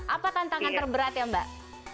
apa tantangan terberat ya mbak